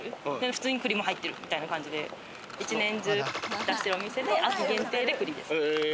普通に栗も入ってるみたいな感じで、一年中出してるお店で、秋限定で栗です。